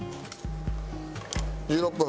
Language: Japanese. １６分！